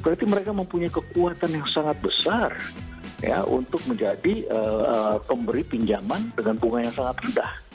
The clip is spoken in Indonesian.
berarti mereka mempunyai kekuatan yang sangat besar untuk menjadi pemberi pinjaman dengan bunga yang sangat rendah